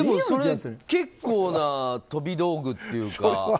それ結構な飛び道具というか。